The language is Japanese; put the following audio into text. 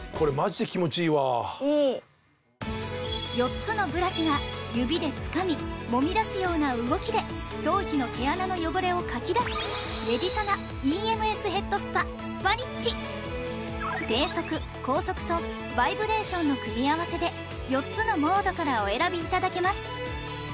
４つのブラシが指でつかみもみ出すような動きで頭皮の毛穴の汚れをかき出す低速高速とバイブレーションの組み合わせで４つのモードからお選びいただけます